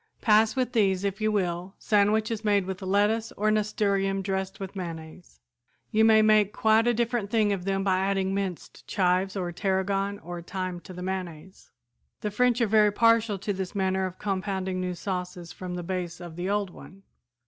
"Pass with these, if you will, sandwiches made with lettuce or nasturtium dressed with mayonnaise. You may make quite a different thing of them by adding minced chives or tarragon, or thyme, to the mayonnaise. The French are very partial to this manner of compounding new sauces from the base of the old one.